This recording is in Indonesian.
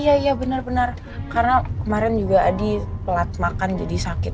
iya iya benar benar karena kemarin juga adi pelat makan jadi sakit